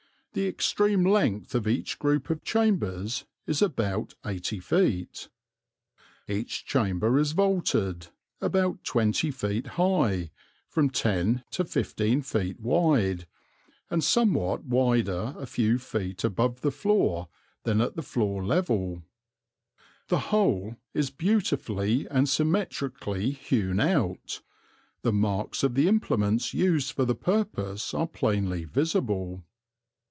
The extreme length of each group of chambers is about 80 ft. Each chamber is vaulted, about 20 ft. high, from 10 to 15 ft. wide, and somewhat wider a few feet above the floor than at the floor level. The whole is beautifully and symmetrically hewn out, the marks of the implements used for the purpose are plainly visible.